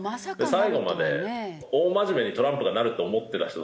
最後まで大真面目にトランプがなると思ってた人